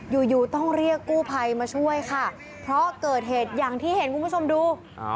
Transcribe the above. อยู่อยู่ต้องเรียกกู้ภัยมาช่วยค่ะเพราะเกิดเหตุอย่างที่เห็นคุณผู้ชมดู